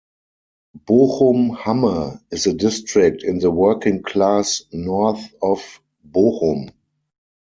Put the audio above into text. Bochum-Hamme is a district in the working-class north of Bochum.